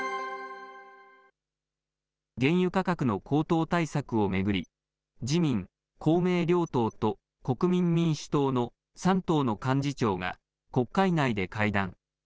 原油価格の高騰対策を巡り、自民、公明両党と国民民主党の３党の幹事長が、国会内で会談。